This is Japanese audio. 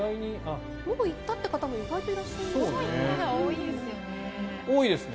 もう行ったという方も意外といらっしゃいますね。